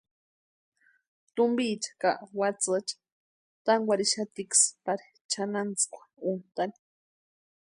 Tumpicha ka watsïecha tankwarhixatiksï pari chʼanantsïkwa úntʼani.